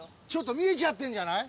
見えちゃってんじゃない？